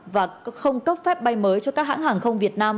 và không cấp phép bay mới cho các hãng hàng không việt nam